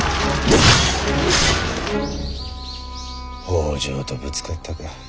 北条とぶつかったか。